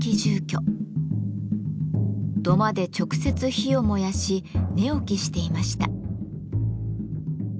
土間で直接火を燃やし寝起きしていました。